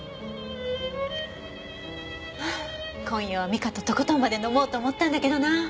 はぁ今夜は美香ととことんまで飲もうと思ったんだけどな。